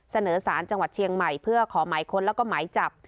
เสนอสารจังหวัดเชียงใหม่เพื่อขอหมายค้นแล้วก็หมายจับ